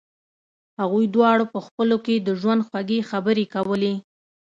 هغوی دواړو په خپلو کې د ژوند خوږې خبرې کولې